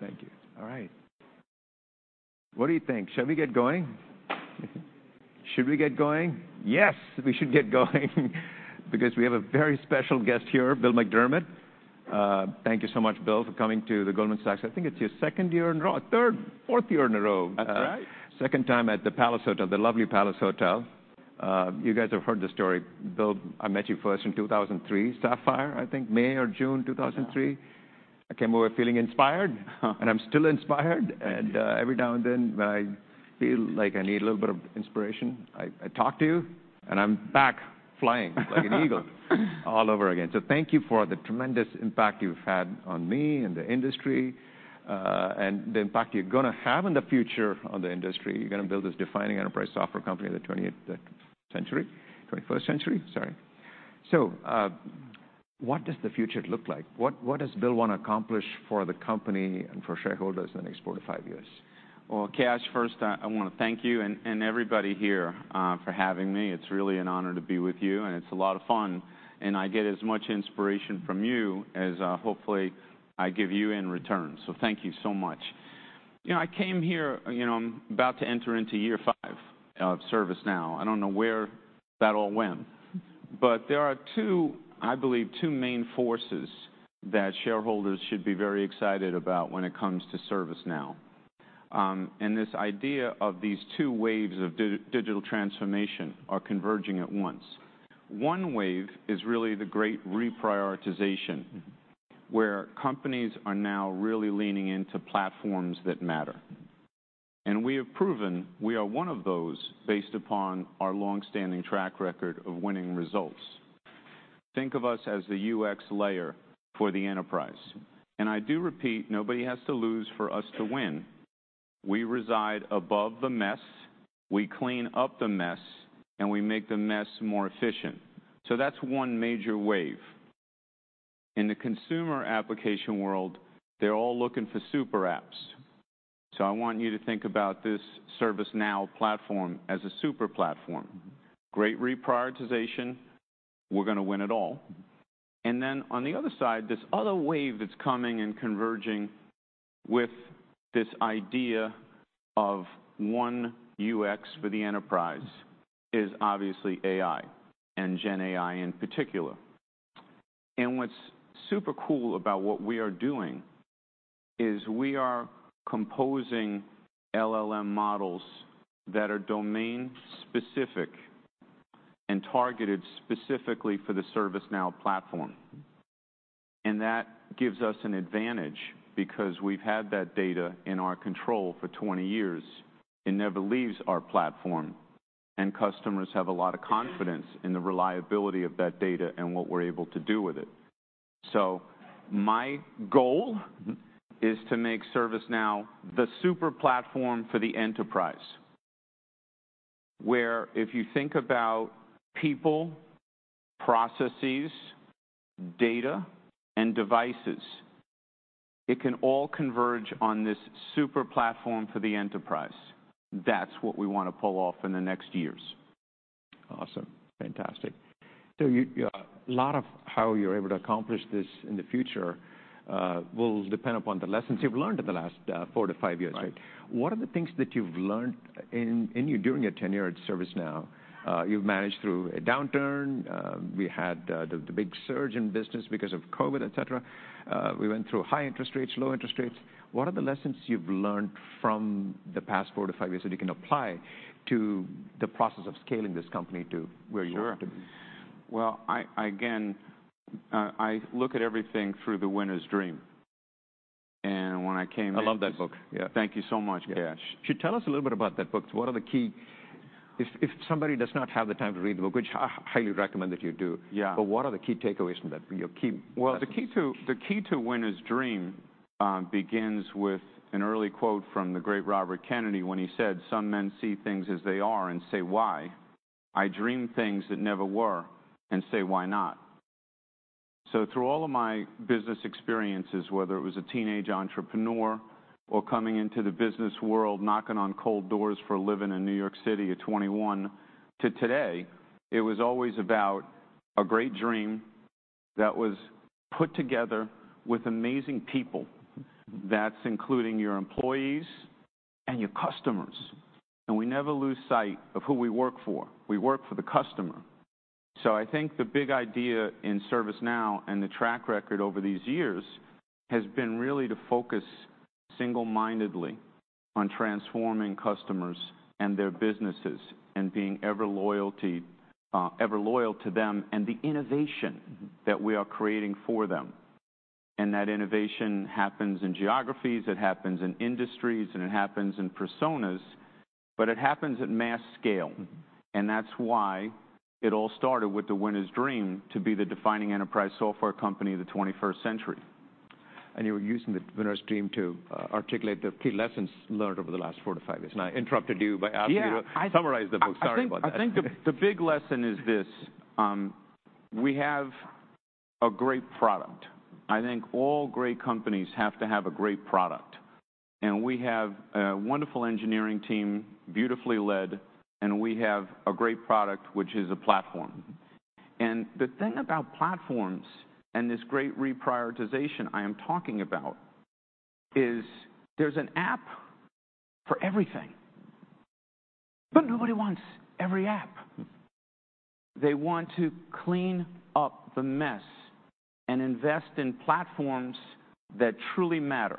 Thank you. All right, what do you think? Shall we get going? Should we get going? Yes, we should get going, because we have a very special guest here, Bill McDermott. Thank you so much, Bill, for coming to the Goldman Sachs. I think it's your second year in a row, third, fourth year in a row. That's right. Second time at the Palace Hotel, the lovely Palace Hotel. You guys have heard the story. Bill, I met you first in 2003, Sapphire, I think May or June 2003. Yeah. I came away feeling inspired and I'm still inspired. Thank you. Every now and then, when I feel like I need a little bit of inspiration, I, I talk to you, and I'm back flying like an eagle all over again. So thank you for the tremendous impact you've had on me and the industry, and the impact you're gonna have in the future on the industry. You're gonna build this defining enterprise software company of the 20th century... 21st century, sorry. So, what does the future look like? What, what does Bill want to accomplish for the company and for shareholders in the next 4-5 years? Well, Kash, first, I wanna thank you and everybody here for having me. It's really an honor to be with you, and it's a lot of fun, and I get as much inspiration from you as hopefully I give you in return, so thank you so much. You know, I came here, you know, I'm about to enter into year five of ServiceNow. I don't know where that all went. But there are two, I believe, two main forces that shareholders should be very excited about when it comes to ServiceNow. And this idea of these two waves of digital transformation are converging at once. One wave is really the great reprioritization- Mm-hmm Where companies are now really leaning into platforms that matter. And we have proven we are one of those, based upon our long-standing track record of winning results. Think of us as the UX layer for the enterprise, and I do repeat, nobody has to lose for us to win. We reside above the mess, we clean up the mess, and we make the mess more efficient. So that's one major wave. In the consumer application world, they're all looking for super apps, so I want you to think about this ServiceNow platform as a super platform. Great reprioritization, we're gonna win it all. And then, on the other side, this other wave that's coming and converging with this idea of one UX for the enterprise is obviously AI and GenAI in particular. And what's super cool about what we are doing is we are composing LLM models that are domain-specific and targeted specifically for the ServiceNow platform, and that gives us an advantage because we've had that data in our control for 20 years. It never leaves our platform, and customers have a lot of confidence in the reliability of that data and what we're able to do with it. So my goal- Mm-hmm Is to make ServiceNow the super platform for the enterprise, where if you think about people, processes, data, and devices, it can all converge on this super platform for the enterprise. That's what we want to pull off in the next years. Awesome. Fantastic. So you, a lot of how you're able to accomplish this in the future, will depend upon the lessons you've learned in the last, 4-5 years, right? Right. What are the things that you've learned during your tenure at ServiceNow? You've managed through a downturn. We had the big surge in business because of COVID, et cetera. We went through high interest rates, low interest rates. What are the lessons you've learned from the past 4-5 years that you can apply to the process of scaling this company to where you want it to be? Sure. Well, again, I look at everything through The Winners Dream. When I came in- I love that book, yeah. Thank you so much, Kash. Yeah. Could you tell us a little bit about that book? What are the key... If somebody does not have the time to read the book, which I highly recommend that you do- Yeah But what are the key takeaways from that, your key lessons? Well, the key to, the key to Winners Dream, begins with an early quote from the great Robert Kennedy when he said, "Some men see things as they are and say why. I dream things that never were and say, 'Why not?'" So through all of my business experiences, whether it was a teenage entrepreneur or coming into the business world, knocking on cold doors for a living in New York City at 21 to today, it was always about a great dream that was put together with amazing people. Mm. That's including your employees and your customers, and we never lose sight of who we work for. We work for the customer. So I think the big idea in ServiceNow, and the track record over these years, has been really to focus single-mindedly on transforming customers and their businesses and being ever loyalty, ever loyal to them and the innovation- Mm That we are creating for them. That innovation happens in geographies, it happens in industries, and it happens in personas, but it happens at mass scale. Mm. That's why it all started with The Winners Dream to be the defining enterprise software company in the twenty-first century. And you were using The Winners Dream to articulate the key lessons learned over the last 4-5 years, and I interrupted you by asking you to- Yeah, I- Summarize the book. Sorry about that. I think the big lesson is this: We have a great product. I think all great companies have to have a great product, and we have a wonderful engineering team, beautifully led, and we have a great product, which is a platform. And the thing about platforms and this great reprioritization I am talking about is there's an app for everything, but nobody wants every app. They want to clean up the mess and invest in platforms that truly matter,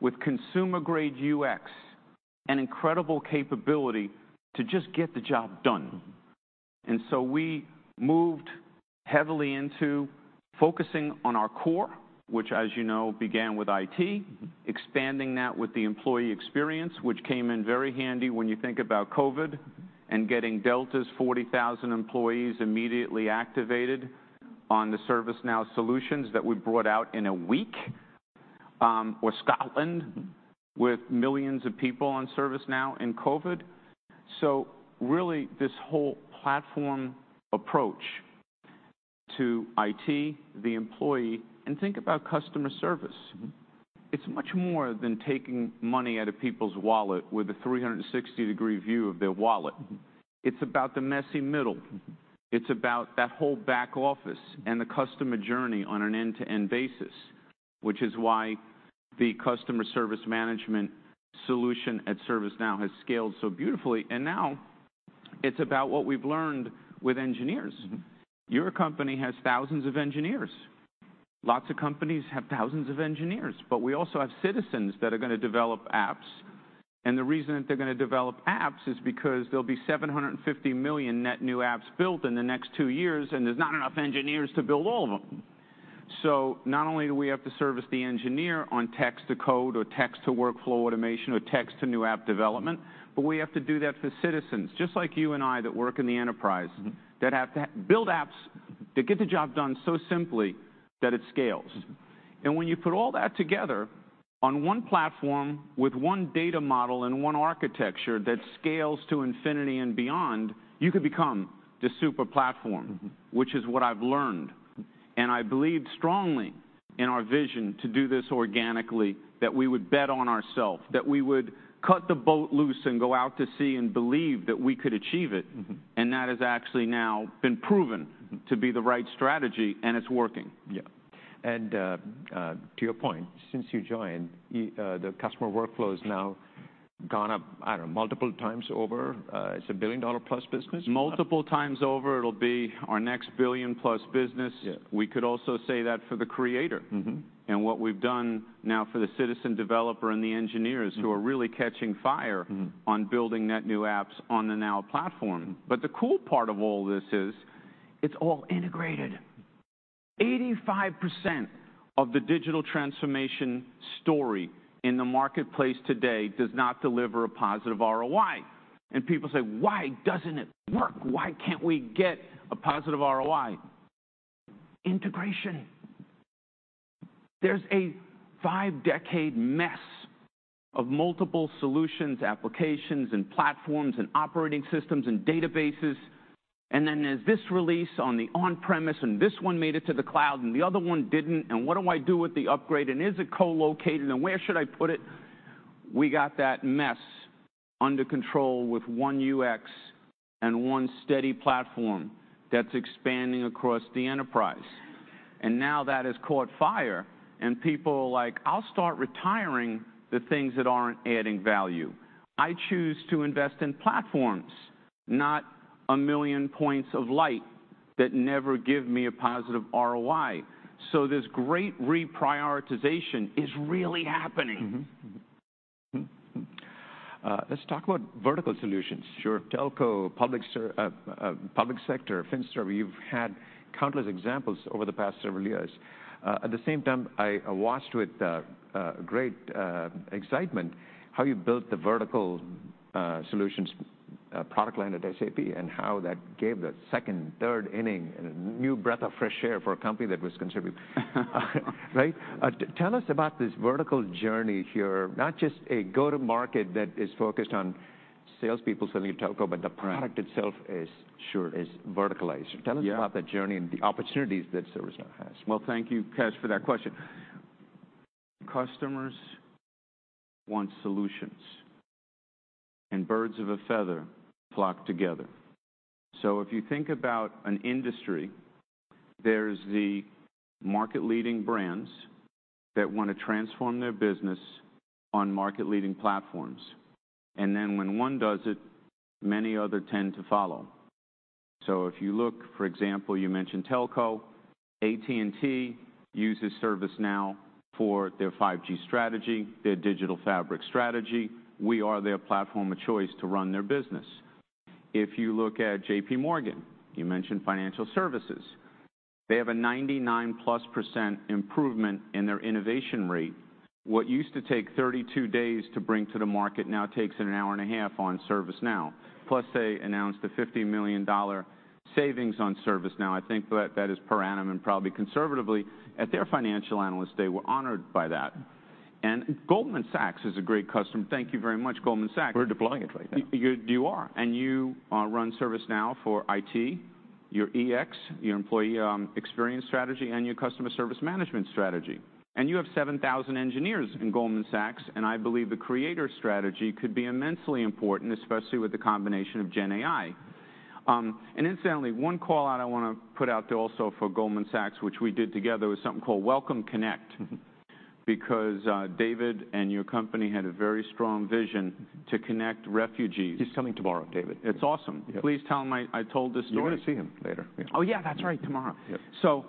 with consumer-grade UX and incredible capability to just get the job done. And so we moved heavily into focusing on our core, which, as you know, began with IT, expanding that with the employee experience, which came in very handy when you think about COVID, and getting Delta's 40,000 employees immediately activated on the ServiceNow solutions that we brought out in a week. Or Scotland, with millions of people on ServiceNow in COVID. So really, this whole platform approach to IT, the employee, and think about customer service. It's much more than taking money out of people's wallet with a 360-degree view of their wallet. Mm-hmm. It's about the messy middle. Mm-hmm. It's about that whole back office- Mm. and the customer journey on an end-to-end basis, which is why the Customer Service Management solution at ServiceNow has scaled so beautifully. And now, it's about what we've learned with engineers. Mm-hmm. Your company has thousands of engineers. Lots of companies have thousands of engineers, but we also have citizens that are gonna develop apps, and the reason that they're gonna develop apps is because there'll be 750 million net new apps built in the next two years, and there's not enough engineers to build all of them. So not only do we have to service the engineer on text-to-code or text-to-workflow automation or text to new app development, but we have to do that for citizens, just like you and I, that work in the enterprise- Mm-hmm ... that have to build apps that get the job done so simply that it scales. Mm-hmm. And when you put all that together on one platform with one data model and one architecture that scales to infinity and beyond, you can become the super platform- Mm-hmm Which is what I've learned. And I believed strongly in our vision to do this organically, that we would bet on ourselves, that we would cut the boat loose and go out to sea and believe that we could achieve it. Mm-hmm. That has actually now been proven- Mm To be the right strategy, and it's working. Yeah. To your point, since you joined, the customer workflow has now gone up, I don't know, multiple times over. It's a billion-dollar-plus business? Multiple times over. It'll be our next billion-plus business. Yeah. We could also say that for the creator. Mm-hmm. What we've done now for the citizen developer and the engineers- Mm Who are really catching fire- Mm-hmm On building net new apps on the Now Platform. Mm. But the cool part of all this is, it's all integrated. 85% of the digital transformation story in the marketplace today does not deliver a positive ROI. And people say: "Why doesn't it work? Why can't we get a positive ROI?" Integration. There's a five-decade mess of multiple solutions, applications, and platforms and operating systems and databases, and then there's this release on the on-premise, and this one made it to the cloud, and the other one didn't, and what do I do with the upgrade? And is it co-located, and where should I put it? We got that mess under control with one UX and one steady platform that's expanding across the enterprise, and now that has caught fire, and people are like, "I'll start retiring the things that aren't adding value. I choose to invest in platforms, not a million points of light that never give me a positive ROI." So this great reprioritization is really happening. Mm-hmm. Mm, mm. Let's talk about vertical solutions. Sure. Telco, public sector, FinServ, you've had countless examples over the past several years. At the same time, I watched with great excitement how you built the vertical solutions product line at SAP and how that gave the second, third inning and a new breath of fresh air for a company that was contributing. Right? Tell us about this vertical journey here, not just a go-to-market that is focused on salespeople selling to telco, but the- Right Product itself is- Sure Is verticalized. Yeah. Tell us about that journey and the opportunities that ServiceNow has. Well, thank you, Kash, for that question. Customers want solutions, and birds of a feather flock together. So if you think about an industry, there's the market-leading brands that want to transform their business on market-leading platforms, and then when one does it, many other tend to follow. So if you look, for example, you mentioned Telco. AT&T uses ServiceNow for their 5G strategy, their digital fabric strategy. We are their platform of choice to run their business. If you look at JPMorgan, you mentioned financial services. They have a 99%+ improvement in their innovation rate. What used to take 32 days to bring to the market now takes an hour and a half on ServiceNow. Plus, they announced a $50 million savings on ServiceNow. I think that that is per annum, and probably conservatively. At their financial analyst day, we're honored by that. Mm. Goldman Sachs is a great customer. Thank you very much, Goldman Sachs. We're deploying it right now. You, you are, and you run ServiceNow for IT?... your UX, your employee experience strategy, and your customer service management strategy. And you have 7,000 engineers in Goldman Sachs, and I believe the creator strategy could be immensely important, especially with the combination of GenAI. And incidentally, one call-out I wanna put out there also for Goldman Sachs, which we did together, was something called Welcome Connect. Mm-hmm. Because, David and your company had a very strong vision to connect refugees. He's coming tomorrow, David. It's awesome. Yeah. Please tell him I told this story. You're gonna see him later. Yeah. Oh, yeah, that's right, tomorrow! Yeah.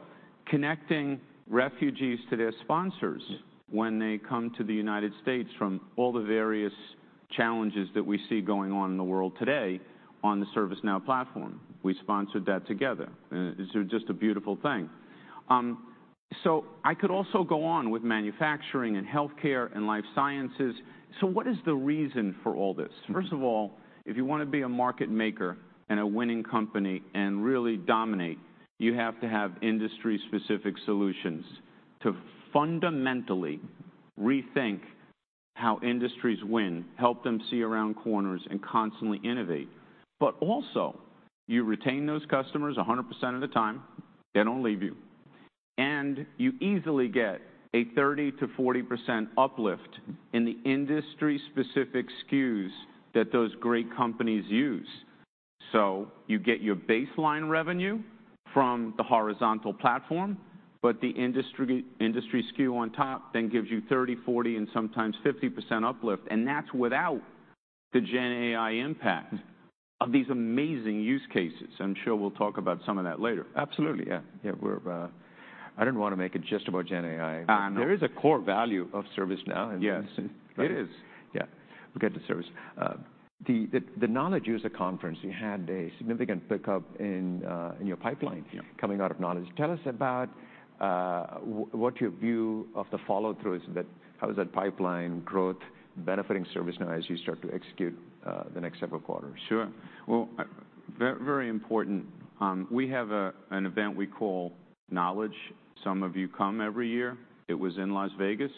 Connecting refugees to their sponsors- Yeah When they come to the United States from all the various challenges that we see going on in the world today on the ServiceNow platform. We sponsored that together, and it's just a beautiful thing. So I could also go on with manufacturing and healthcare and life sciences. So what is the reason for all this? Mm. First of all, if you wanna be a market maker and a winning company and really dominate, you have to have industry-specific solutions to fundamentally rethink how industries win, help them see around corners, and constantly innovate. But also, you retain those customers 100% of the time, they don't leave you, and you easily get a 30%-40% uplift in the industry-specific SKUs that those great companies use. So you get your baseline revenue from the horizontal platform, but the industry, industry SKU on top then gives you 30%, 40%, and sometimes 50% uplift, and that's without the GenAI impact- Mm Of these amazing use cases. I'm sure we'll talk about some of that later. Absolutely. Yeah. Yeah, we're... I didn't wanna make it just about GenAI. Uh, no. There is a core value of ServiceNow, and- Yes, it is. Yeah. We'll get to service. The Knowledge User Conference, you had a significant pickup in your pipeline- Yeah Coming out of Knowledge. Tell us about what your view of the follow-through is that, how is that pipeline growth benefiting ServiceNow as you start to execute the next several quarters? Sure. Well, very, very important, we have a, an event we call Knowledge. Some of you come every year. It was in Las Vegas.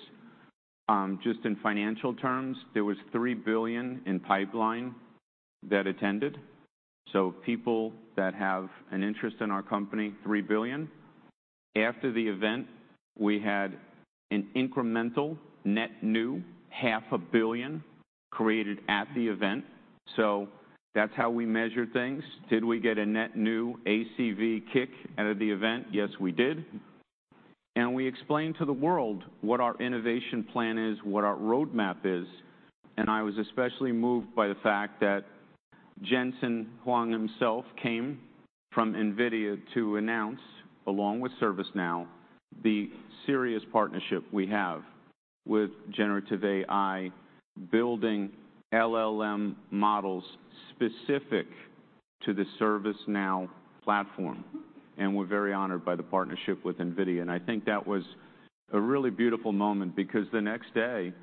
Just in financial terms, there was $3 billion in pipeline that attended, so people that have an interest in our company, $3 billion. After the event, we had an incremental net new $500 million created at the event, so that's how we measure things. Did we get a net new ACV kick out of the event? Yes, we did. And we explained to the world what our innovation plan is, what our roadmap is, and I was especially moved by the fact that Jensen Huang himself came from NVIDIA to announce, along with ServiceNow, the serious partnership we have with generative AI, building LLM models specific to the ServiceNow platform. And we're very honored by the partnership with NVIDIA, and I think that was a really beautiful moment because the next day,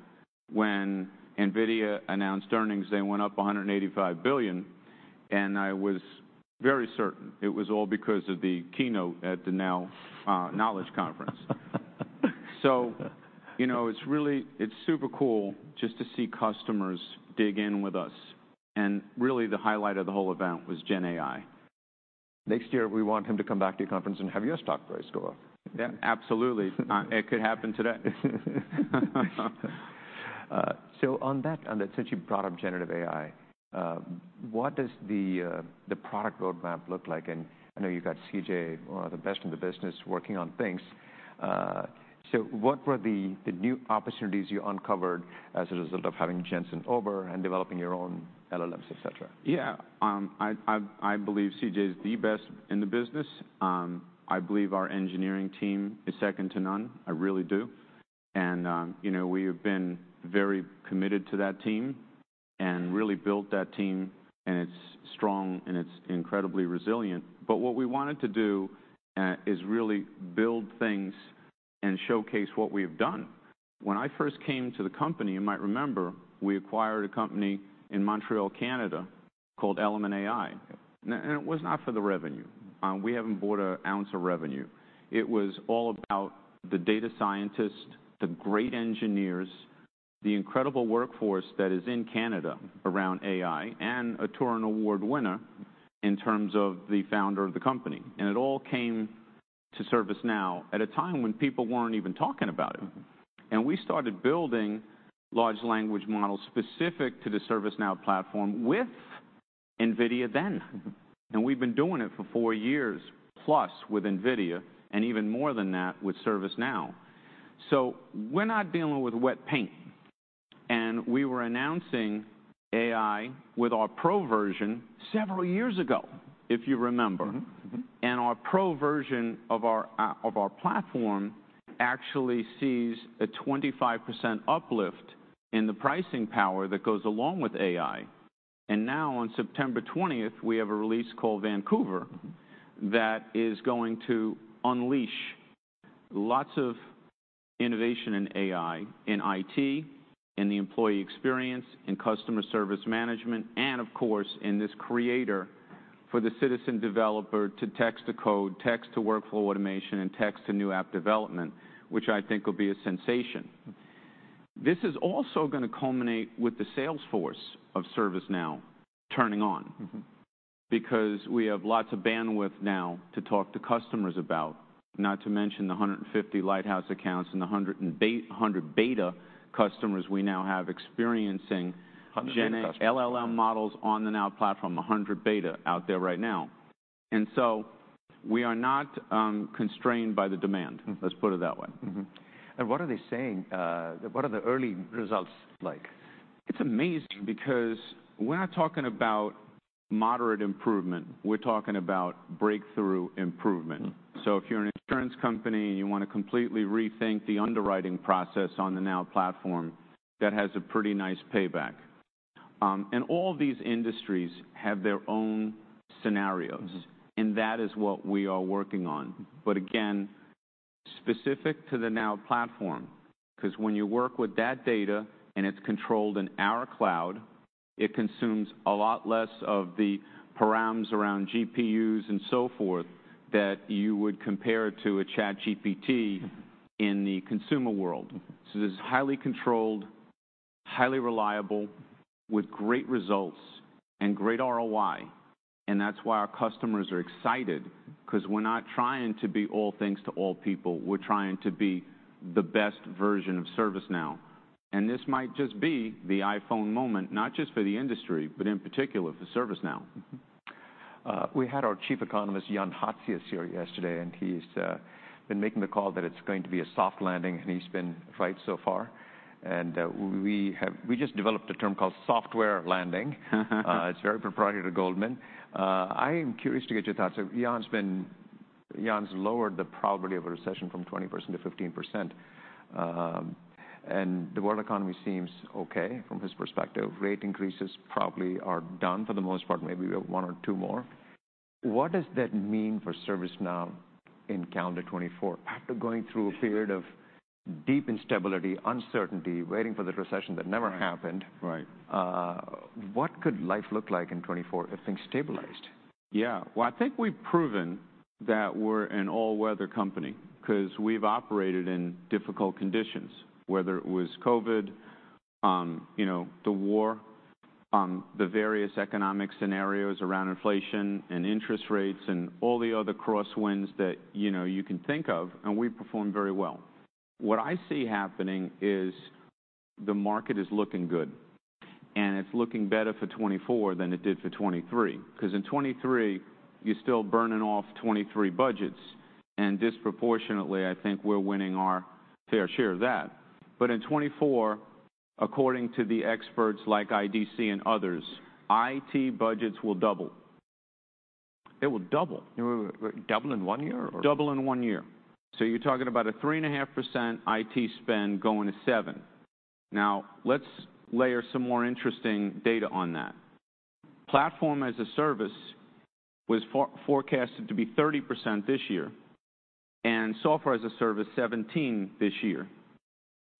when NVIDIA announced earnings, they went up $185 billion, and I was very certain it was all because of the keynote at the Now Knowledge Conference. So, you know, it's really, it's super cool just to see customers dig in with us. And really, the highlight of the whole event was GenAI. Next year, we want him to come back to your conference and have your stock price go up. Yeah, absolutely. It could happen today. So on that, and since you brought up generative AI, what does the product roadmap look like? And I know you've got CJ, one of the best in the business, working on things. So what were the new opportunities you uncovered as a result of having Jensen over and developing your own LLMs, et cetera? Yeah, I believe CJ is the best in the business. I believe our engineering team is second to none. I really do. And, you know, we have been very committed to that team and really built that team, and it's strong, and it's incredibly resilient. But what we wanted to do is really build things and showcase what we've done. When I first came to the company, you might remember, we acquired a company in Montreal, Canada, called Element AI. Yeah. And it was not for the revenue. We haven't bought an ounce of revenue. It was all about the data scientists, the great engineers, the incredible workforce that is in Canada around AI, and a Turing Award winner in terms of the founder of the company. And it all came to ServiceNow at a time when people weren't even talking about it. Mm. We started building large language models specific to the ServiceNow platform with NVIDIA then. Mm-hmm. We've been doing it for 4+ years with NVIDIA, and even more than that with ServiceNow. We're not dealing with wet paint, and we were announcing AI with our pro version several years ago, if you remember. Mm-hmm. Mm-hmm. And our pro version of our platform actually sees a 25% uplift in the pricing power that goes along with AI. And now, on September twentieth, we have a release called Vancouver that is going to unleash lots of innovation in AI, in IT, in the employee experience, in Customer Service Management, and of course, in this creator for the citizen developer to text to code, text to workflow automation, and text to new app development, which I think will be a sensation. This is also gonna culminate with the sales force of ServiceNow turning on. Mm-hmm. Because we have lots of bandwidth now to talk to customers about, not to mention the 150 lighthouse accounts and the 100 beta customers we now have experiencing- 100 beta customers GenAI LLM models on the Now Platform, 100 beta out there right now. And so we are not constrained by the demand. Mm. Let's put it that way. Mm-hmm. And what are they saying, what are the early results like? It's amazing, because we're not talking about moderate improvement, we're talking about breakthrough improvement. Mm. So if you're an insurance company, and you wanna completely rethink the underwriting process on the Now Platform, that has a pretty nice payback. And all these industries have their own scenarios- Mm And that is what we are working on. But again, specific to the Now Platform, 'cause when you work with that data, and it's controlled in our cloud, it consumes a lot less of the params around GPUs and so forth, that you would compare to a ChatGPT in the consumer world. So this is highly controlled, highly reliable, with great results and great ROI, and that's why our customers are excited, 'cause we're not trying to be all things to all people. We're trying to be the best version of ServiceNow. And this might just be the iPhone moment, not just for the industry, but in particular, for ServiceNow. Mm-hmm. We had our chief economist, Jan Hatzius, here yesterday, and he's been making the call that it's going to be a soft landing, and he's been right so far. We have—we just developed a term called software landing. It's very proprietary to Goldman. I am curious to get your thoughts. So Jan's been—Jan's lowered the probability of a recession from 20% to 15%. And the world economy seems okay from his perspective. Rate increases probably are done for the most part, maybe one or two more. What does that mean for ServiceNow in calendar 2024? After going through a period of deep instability, uncertainty, waiting for the recession that never happened- Right, right What could life look like in 2024 if things stabilized? Yeah. Well, I think we've proven that we're an all-weather company, 'cause we've operated in difficult conditions. Whether it was COVID, you know, the war, the various economic scenarios around inflation and interest rates, and all the other crosswinds that, you know, you can think of, and we've performed very well. What I see happening is the market is looking good, and it's looking better for 2024 than it did for 2023. 'Cause in 2023, you're still burning off 2023 budgets, and disproportionately, I think we're winning our fair share of that. But in 2024, according to the experts like IDC and others, IT budgets will double. It will double. Double in one year, or? Double in one year. So you're talking about a 3.5% IT spend going to 7%. Now, let's layer some more interesting data on that. Platform as a service was forecasted to be 30% this year, and software as a service, 17% this year.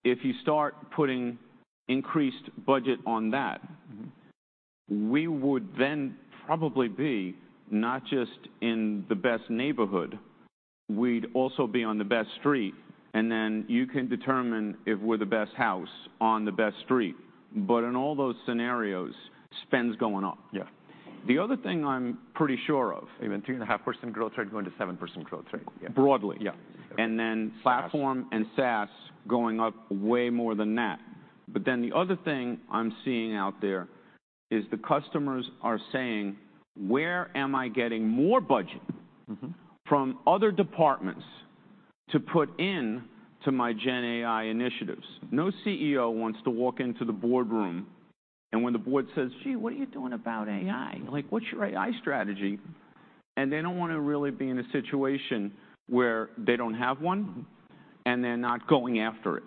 If you start putting increased budget on that- Mm-hmm We would then probably be not just in the best neighborhood, we'd also be on the best street, and then you can determine if we're the best house on the best street. But in all those scenarios, spend's going up. Yeah. The other thing I'm pretty sure of- Even 2.5% growth rate going to 7% growth rate, yeah. Broadly. Yeah. And then- SaaS Platform and SaaS going up way more than that. But then the other thing I'm seeing out there is the customers are saying, "Where am I getting more budget- Mm-hmm From other departments to put into my GenAI initiatives?" No CEO wants to walk into the boardroom, and when the board says, "Gee, what are you doing about AI? Like, what's your AI strategy?" And they don't wanna really be in a situation where they don't have one- Mm And they're not going after it,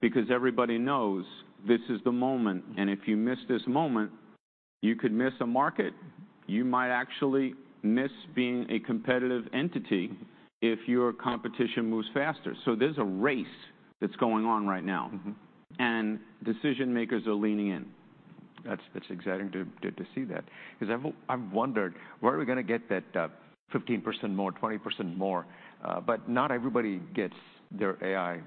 because everybody knows this is the moment, and if you miss this moment, you could miss a market. You might actually miss being a competitive entity if your competition moves faster. So there's a race that's going on right now. Mm-hmm. Decision makers are leaning in. That's exciting to see that, 'cause I've wondered, where are we gonna get that, 15% more, 20% more? But not everybody gets their AI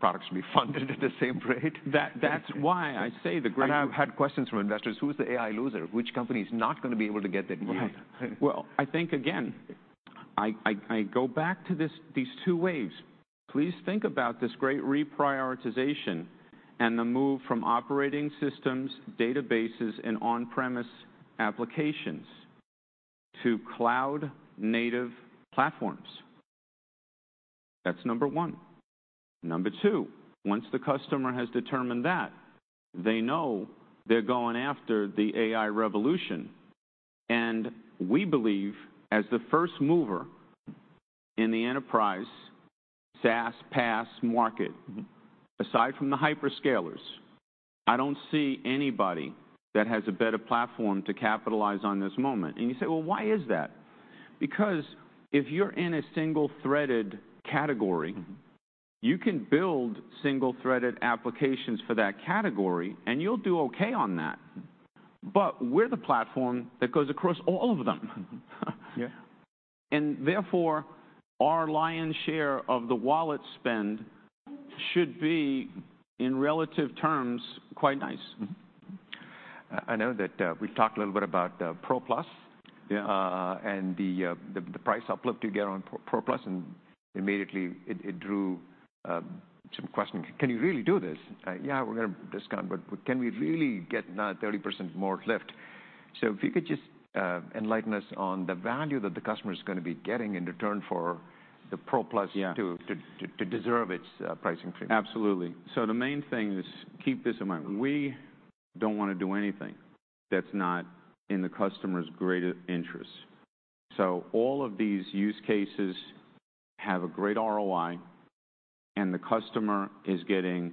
products to be funded at the same rate. That's why I say the great- I've had questions from investors: "Who's the AI loser? Which company is not gonna be able to get that gain? Right. Well, I think, again, I go back to this, these two waves. Please think about this great reprioritization and the move from operating systems, databases, and on-premise applications to cloud-native platforms. That's number one. Number two, once the customer has determined that, they know they're going after the AI revolution, and we believe, as the first mover in the enterprise, SaaS, PaaS market- Mm Aside from the hyperscalers, I don't see anybody that has a better platform to capitalize on this moment. And you say, "Well, why is that?" Because if you're in a single-threaded category- Mm You can build single-threaded applications for that category, and you'll do okay on that. But we're the platform that goes across all of them. Yeah. And therefore, our lion's share of the wallet spend should be, in relative terms, quite nice. Mm-hmm. I know that we've talked a little bit about Pro Plus. Yeah. And the price uplift you get on Pro Plus, and immediately it drew some questioning, "Can you really do this?" Yeah, we're gonna discount, but can we really get now 30% more lift? So if you could just enlighten us on the value that the customer is gonna be getting in return for the Pro Plus- Yeah to deserve its pricing treatment. Absolutely. So the main thing is, keep this in mind, we don't wanna do anything that's not in the customer's greater interest. So all of these use cases have a great ROI, and the customer is getting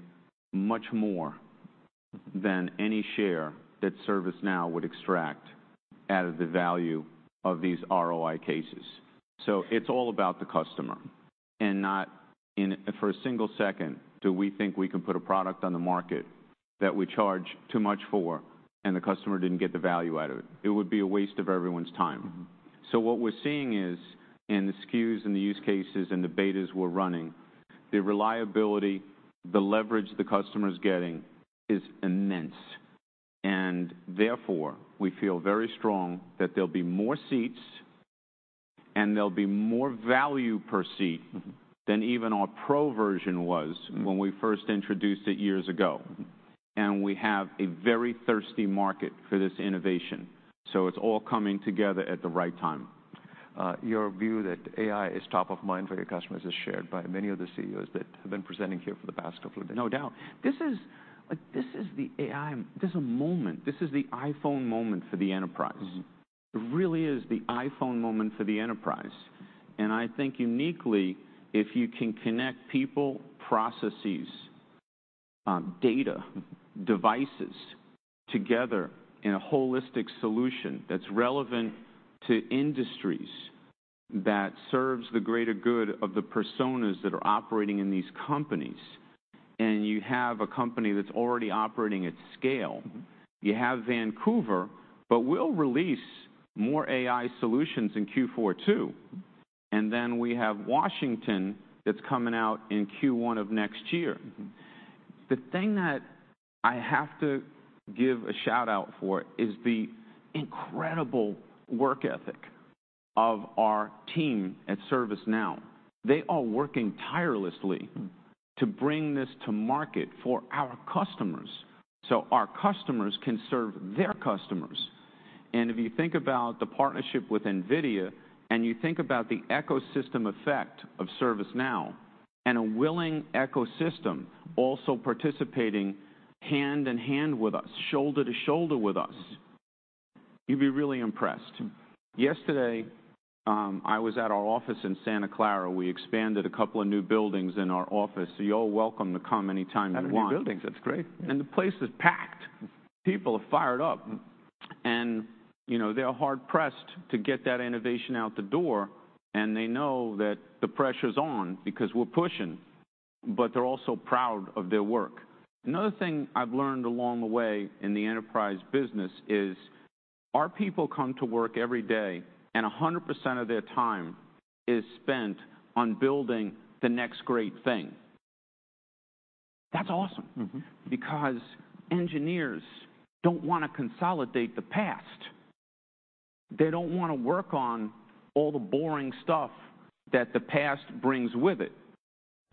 much more than any share that ServiceNow would extract out of the value of these ROI cases. So it's all about the customer, and not, for a single second, do we think we can put a product on the market that we charge too much for, and the customer didn't get the value out of it. It would be a waste of everyone's time. Mm-hmm. So what we're seeing is, in the SKUs, in the use cases, and the betas we're running, the reliability, the leverage the customer's getting is immense, and therefore, we feel very strong that there'll be more seats, and there'll be more value per seat- Mm-hmm Than even our Pro version was- Mm-hmm When we first introduced it years ago. Mm-hmm. We have a very thirsty market for this innovation, so it's all coming together at the right time. Your view that AI is top of mind for your customers is shared by many of the CEOs that have been presenting here for the past couple of days. No doubt. This is—like, this is the AI... This is a moment. This is the iPhone moment for the enterprise. Mm-hmm. It really is the iPhone moment for the enterprise, and I think uniquely, if you can connect people, processes, data, devices together in a holistic solution that's relevant to industries, that serves the greater good of the personas that are operating in these companies, and you have a company that's already operating at scale- Mm-hmm You have Vancouver, but we'll release more AI solutions in Q4, too. Mm-hmm. We have Washington that's coming out in Q1 of next year. Mm-hmm. The thing that I have to give a shout-out for is the incredible work ethic of our team at ServiceNow. They are working tirelessly- Mm To bring this to market for our customers, so our customers can serve their customers. And if you think about the partnership with NVIDIA, and you think about the ecosystem effect of ServiceNow, and a willing ecosystem also participating hand in hand with us, shoulder to shoulder with us, you'd be really impressed. Mm-hmm. Yesterday, I was at our office in Santa Clara. We expanded a couple of new buildings in our office, so you're all welcome to come any time you want. Had new buildings. That's great. The place is packed! Mm. People are fired up. Mm. You know, they're hard-pressed to get that innovation out the door, and they know that the pressure's on because we're pushing, but they're also proud of their work. Another thing I've learned along the way in the enterprise business is, our people come to work every day, and 100% of their time is spent on building the next great thing. That's awesome. Mm-hmm. Because engineers don't wanna consolidate the past. They don't wanna work on all the boring stuff that the past brings with it.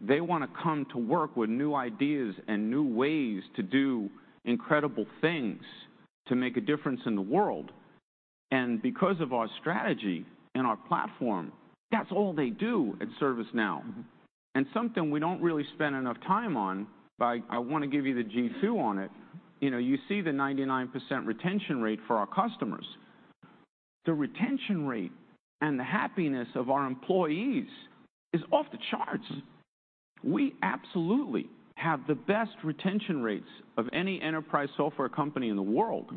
They wanna come to work with new ideas and new ways to do incredible things to make a difference in the world, and because of our strategy and our platform, that's all they do at ServiceNow. Mm-hmm. Something we don't really spend enough time on, but I wanna give you the G2 on it, you know, you see the 99% retention rate for our customers. The retention rate and the happiness of our employees is off the charts. Mm-hmm. We absolutely have the best retention rates of any enterprise software company in the world,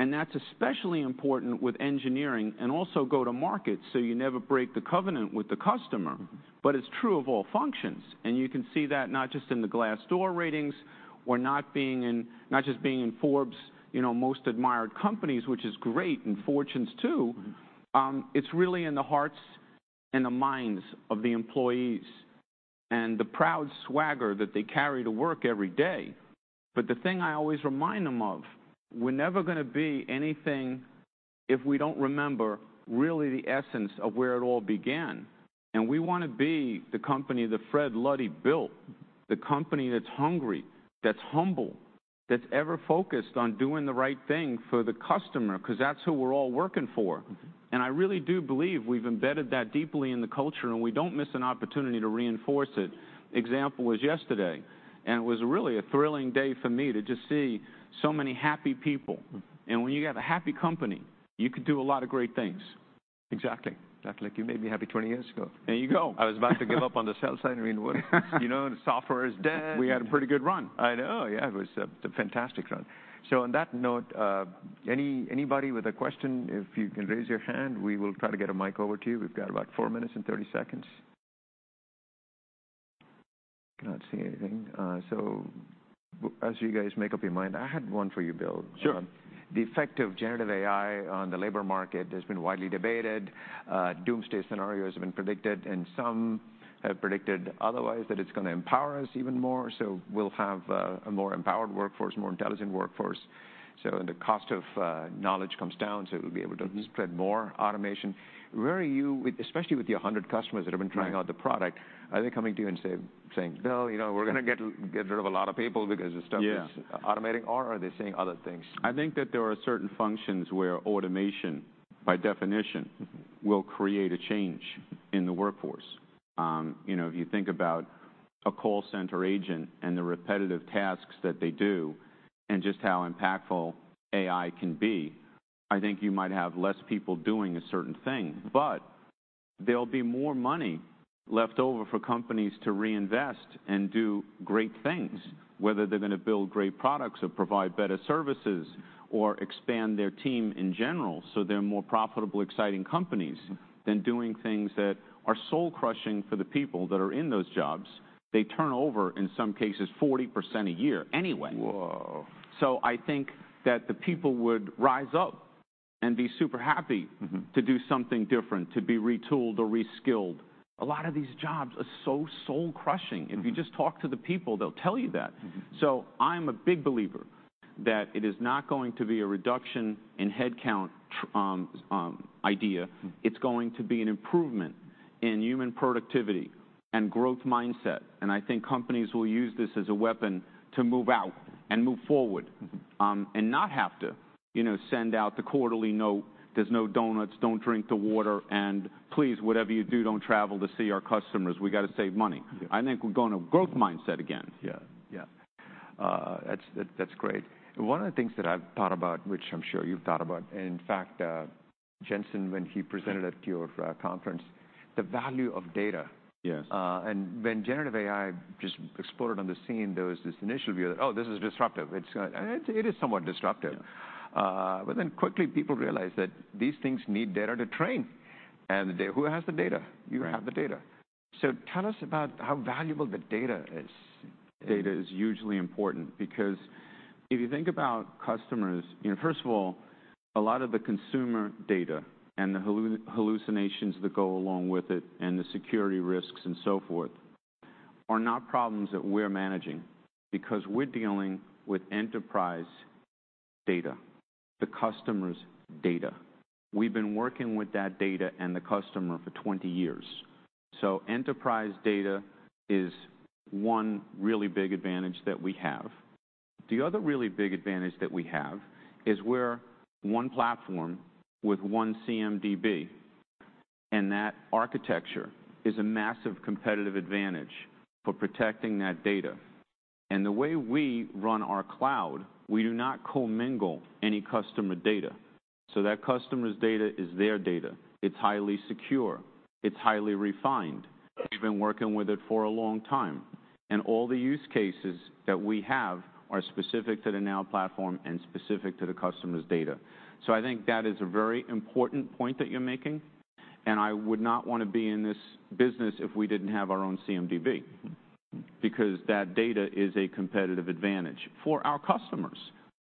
and that's especially important with engineering and also go-to-market, so you never break the covenant with the customer. But it's true of all functions, and you can see that not just in the Glassdoor ratings or not just being in Forbes, you know, most admired companies, which is great, and Fortune's, too. Mm-hmm. It's really in the hearts and the minds of the employees, and the proud swagger that they carry to work every day. But the thing I always remind them of, we're never gonna be anything if we don't remember really the essence of where it all began. And we wanna be the company that Fred Luddy built, the company that's hungry, that's humble, that's ever focused on doing the right thing for the customer, 'cause that's who we're all working for. Mm-hmm. I really do believe we've embedded that deeply in the culture, and we don't miss an opportunity to reinforce it. Example was yesterday, and it was really a thrilling day for me to just see so many happy people. Mm-hmm. When you have a happy company, you can do a lot of great things. Exactly. Exactly like you made me happy 20 years ago. There you go. I was about to give up on the sell side. I mean, what? You know, and software is dead. We had a pretty good run. I know. Yeah, it was a fantastic run. So on that note, anybody with a question, if you can raise your hand, we will try to get a mic over to you. We've got about four minutes and 30 seconds.... I don't see anything. So as you guys make up your mind, I had one for you, Bill. Sure. The effect of generative AI on the labor market has been widely debated. Doomsday scenarios have been predicted, and some have predicted otherwise, that it's gonna empower us even more, so we'll have a, a more empowered workforce, more intelligent workforce. So when the cost of knowledge comes down, so we'll be able to- Mm-hmm Spread more automation. Where are you with... Especially with your 100 customers that have been- Right Trying out the product, are they coming to you and saying, "Bill, you know, we're gonna get rid of a lot of people because the stuff is- Yeah Automating," or are they saying other things? I think that there are certain functions where automation, by definition- Mm-hmm Will create a change in the workforce. You know, if you think about a call center agent and the repetitive tasks that they do and just how impactful AI can be, I think you might have less people doing a certain thing. But there'll be more money left over for companies to reinvest and do great things, whether they're gonna build great products or provide better services, or expand their team in general, so they're more profitable, exciting companies- Mm-hmm Than doing things that are soul-crushing for the people that are in those jobs. They turn over, in some cases, 40% a year anyway. Whoa! So I think that the people would rise up and be super happy- Mm-hmm To do something different, to be retooled or reskilled. A lot of these jobs are so soul-crushing. Mm-hmm. If you just talk to the people, they'll tell you that. Mm-hmm. So I'm a big believer that it is not going to be a reduction in headcount. True idea. Mm. It's going to be an improvement in human productivity and growth mindset, and I think companies will use this as a weapon to move out and move forward. Mm-hmm. and not have to, you know, send out the quarterly note, "There's no donuts, don't drink the water, and please, whatever you do, don't travel to see our customers. We gotta save money. Yeah. I think we're going to growth mindset again. Yeah. Yeah. That's great. One of the things that I've thought about, which I'm sure you've thought about, and in fact, Jensen, when he presented- Right at your conference, the value of data. Yes. When generative AI just exploded on the scene, there was this initial view that, "Oh, this is disruptive. It's gonna..." And it is somewhat disruptive. Yeah. But then quickly, people realized that these things need data to train. Then, who has the data? Right. You have the data. So tell us about how valuable the data is. Data is hugely important because if you think about customers... You know, first of all, a lot of the consumer data and the hallucinations that go along with it, and the security risks, and so forth, are not problems that we're managing because we're dealing with enterprise data, the customer's data. We've been working with that data and the customer for 20 years. Enterprise data is one really big advantage that we have. The other really big advantage that we have is we're one platform with one CMDB, and that architecture is a massive competitive advantage for protecting that data. The way we run our cloud, we do not commingle any customer data. That customer's data is their data. It's highly secure. It's highly refined. We've been working with it for a long time, and all the use cases that we have are specific to the Now Platform and specific to the customer's data. So I think that is a very important point that you're making, and I would not wanna be in this business if we didn't have our own CMDB. Mm. Because that data is a competitive advantage for our customers,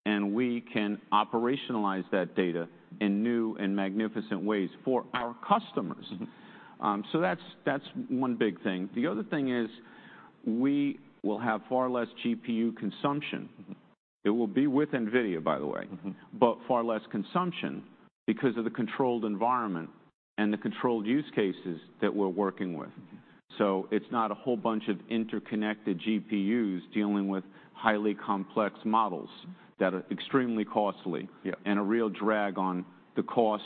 and we can operationalize that data in new and magnificent ways for our customers. Mm-hmm. So that's, that's one big thing. The other thing is, we will have far less GPU consumption. Mm-hmm. It will be with NVIDIA, by the way. Mm-hmm. But far less consumption because of the controlled environment and the controlled use cases that we're working with. Mm-hmm. So it's not a whole bunch of interconnected GPUs dealing with highly complex models that are extremely costly- Yeah A real drag on the cost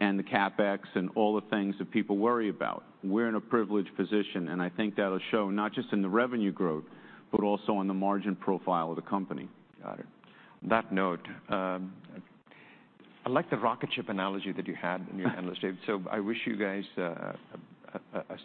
and the CapEx and all the things that people worry about. We're in a privileged position, and I think that'll show not just in the revenue growth, but also in the margin profile of the company. Got it. On that note, I like the rocket ship analogy that you had in your analyst day. So I wish you guys a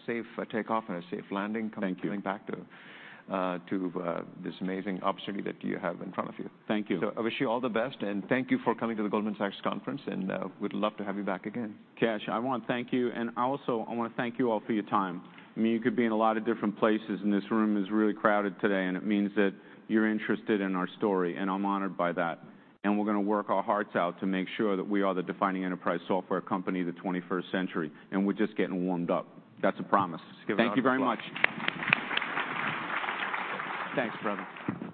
safe takeoff and a safe landing. Thank you Coming back to this amazing opportunity that you have in front of you. Thank you. So I wish you all the best, and thank you for coming to the Goldman Sachs conference, and we'd love to have you back again. Keshav, I wanna thank you, and also, I wanna thank you all for your time. I mean, you could be in a lot of different places, and this room is really crowded today, and it means that you're interested in our story, and I'm honored by that. And we're gonna work our hearts out to make sure that we are the defining enterprise software company in the twenty-first century, and we're just getting warmed up. That's a promise. Let's give a round of applause. Thank you very much. Thanks, brother. Good to see you. Thank you.